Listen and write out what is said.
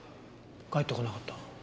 帰ってこなかった？